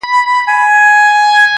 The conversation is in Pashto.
o د بل په پرتوگ کونه نه پټېږي٫